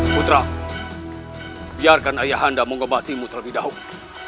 putra biarkan ayahanda mengebatimu terlebih dahulu